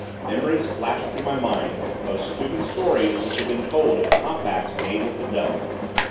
Memories flashed through my mind of stupid stories which have been told of compacts made with the devil.